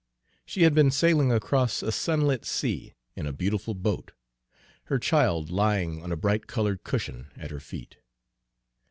She had been sailing across a sunlit sea, in a beautiful boat, her child lying on a bright colored cushion at her feet.